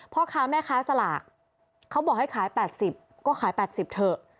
พ่อค้าแม่ค้าสลากเขาบอกให้ขาย๘๐ก็ขาย๘๐เถอะ